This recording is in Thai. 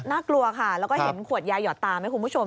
กลัวค่ะแล้วก็เห็นขวดยาหยอดตาไหมคุณผู้ชม